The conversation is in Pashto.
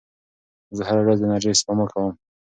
زه هره ورځ د انرژۍ سپما کوم.